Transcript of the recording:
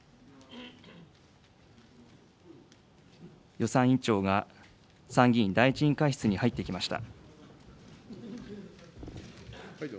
予算委員長が参議院第１委員会室に入ってきました。